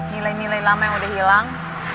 nilai nilai lama yang udah hilang